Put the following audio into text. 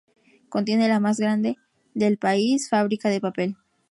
Contiene la más grande del país fábrica de papel.